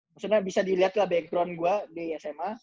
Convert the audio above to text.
maksudnya bisa dilihat lah background gue di sma